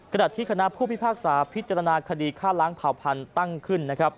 กระดับที่คณะผู้พิพากษาพิจารณาคดีฆ่าร้างเผ่าพันธุ์ตั้งขึ้น